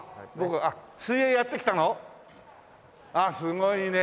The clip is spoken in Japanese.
あっすごいね。